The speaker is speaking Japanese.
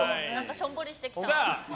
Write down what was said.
しょんぼりしてきた。